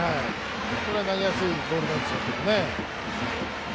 これは投げやすいボールなんでしょうけどね。